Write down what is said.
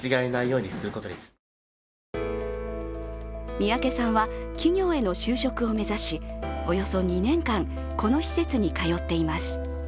三宅さんは企業への就職を目指しおよそ２年間、この施設に通っています。